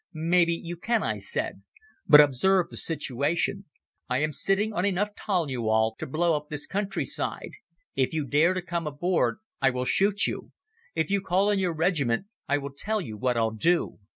"Maybe you can," I said; "but observe the situation. I am sitting on enough toluol to blow up this countryside. If you dare to come aboard I will shoot you. If you call in your regiment I will tell you what I'll do.